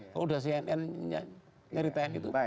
kalau sudah cnn nyaritain itu